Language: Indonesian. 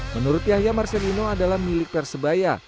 menurut yahya marcelino adalah milik persebaya